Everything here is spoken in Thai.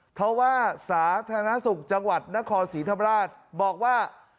เพราะว่าสาธารณสุขจังหวัดนครศรีธรรมราชบอกว่า